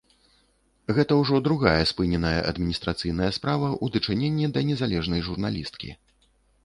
Гэта ўжо другая спыненая адміністрацыйная справа ў дачыненні да незалежнай журналісткі.